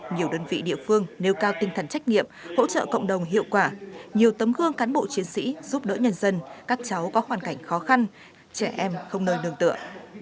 nhiều đơn vị địa phương nêu cao tinh thần trách nhiệm hỗ trợ cộng đồng hiệu quả nhiều tấm gương cán bộ chiến sĩ giúp đỡ nhân dân các cháu có hoàn cảnh khó khăn trẻ em không nơi nương tựa